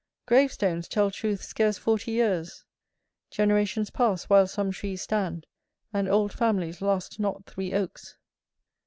Gravestones tell truth scarce forty years. Generations pass while some trees stand, and old families last not three oaks.